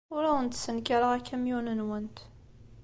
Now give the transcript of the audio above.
Ur awent-ssenkareɣ akamyun-nwent.